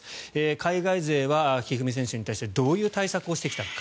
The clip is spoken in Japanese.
海外勢は一二三選手に対してどういう対策をしてきたのか。